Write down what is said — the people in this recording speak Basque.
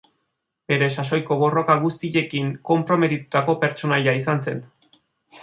Bere sasoiko borroka guztiekin konprometitutako pertsonaia izan zen.